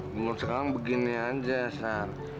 gak mau sekarang begini aja sar